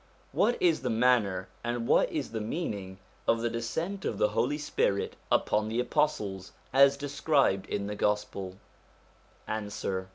What is the manner, and what is the meaning, of the descent of the Holy Spirit upon the apostles, as described in the Gospel ? Answer.